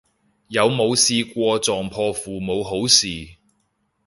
有冇試過撞破父母好事